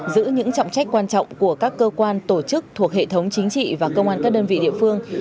giữ những trọng trách quan trọng của các cơ quan tổ chức thuộc hệ thống chính trị và công an các đơn vị địa phương